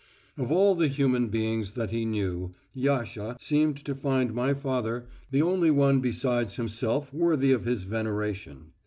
Of all the human beings that he knew, Yasha seemed to find my father the only one besides himself worthy of his veneration.